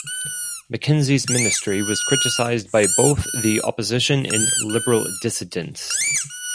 Mackenzie's Ministry was criticised by both the opposition and Liberal dissidents.